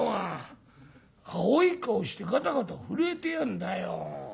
青い顔してガタガタ震えてやんだよ。